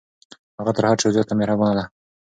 هغه تر هر چا زیاته مهربانه ده.